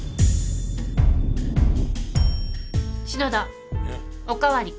篠田お代わり。